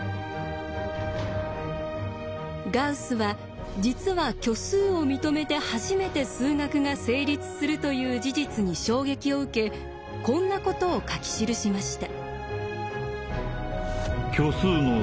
ガウスは実は虚数を認めて初めて数学が成立するという事実に衝撃を受けこんなことを書き記しました。